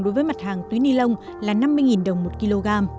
đối với mặt hàng túi ni lông là năm mươi đồng một kg